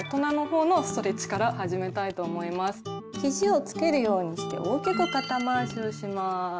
ひじをつけるようにして大きく肩回しをします。